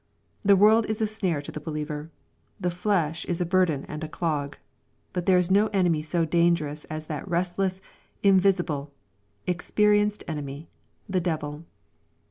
The world is a snare to the believer. The flesh is a burden and a clog. But there is no enemy so dangerous as that restless, invisible, ex perienced enemy, the devil.